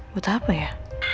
butuh apa ya